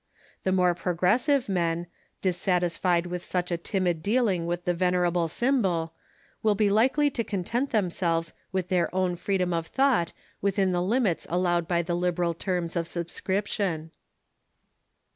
The more progressive men, dissatisfied with such a timid deal ing with the venerable symbol, will be likely to content them selves with their own freedom of thought within the limits allowed by the liberal terms of subscription.